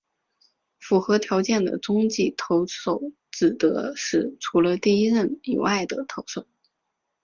符合条件的中继投手指的是除了第一任以外的投手。